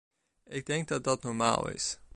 Ik denk dat dat normaal is.